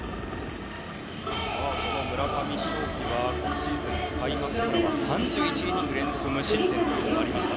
この村上頌樹は今シーズン、開幕から３１イニング連続無失点もありました。